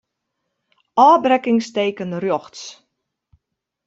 Ofbrekkingsteken rjochts.